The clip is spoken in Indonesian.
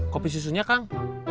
kopi susunya kang